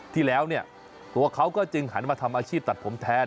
ที่แล้วเนี่ยตัวเขาก็จึงหันมาทำอาชีพตัดผมแทน